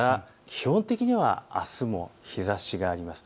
基本的にはあすも日ざしがあります。